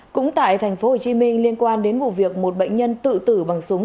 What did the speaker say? cũng tại tp hcm liên quan đến vụ việc một bệnh nhân tự tử bằng súng